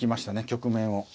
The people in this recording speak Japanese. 局面を。